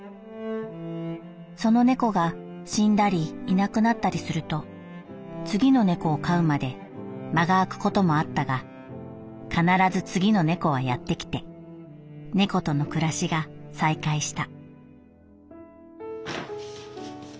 その猫が死んだりいなくなったりすると次の猫を飼うまで間が空くこともあったが必ず次の猫はやってきて猫との暮らしが再開した」。